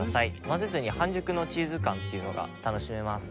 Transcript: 混ぜずに半熟のチーズ感っていうのが楽しめます。